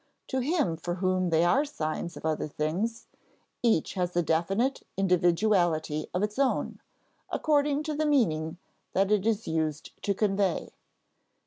To him for whom they are signs of other things, each has a definite individuality of its own, according to the meaning that it is used to convey.